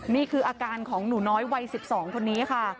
นี่คืออาการของหนูน้อยวัย๑๒คนนี้ค่ะ